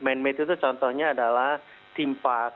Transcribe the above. man made itu contohnya adalah timpak